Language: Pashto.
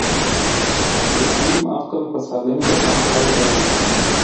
دسلیم عقل په سالم بدن کی دی.